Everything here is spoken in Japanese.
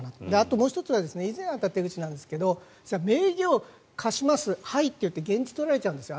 もう１つは以前あった手口なんですが名義を貸します、はいと言って言質を取られちゃうんですよ。